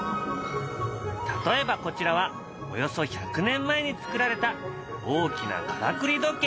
例えばこちらはおよそ１００年前に作られた大きなからくり時計。